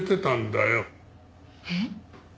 えっ？